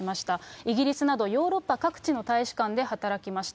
イギリスなどヨーロッパ各地の大使館で働きました。